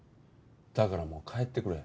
だからもう帰ってくれ。